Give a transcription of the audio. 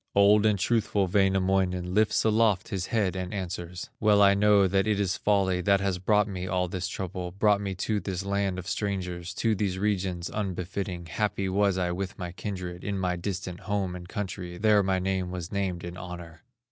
Old and truthful Wainamoinen Lifts aloft his head and answers: "Well I know that it is folly That has brought me all this trouble, Brought me to this land of strangers, To these regions unbefitting; Happy was I with my kindred, In my distant home and country, There my name was named in honor."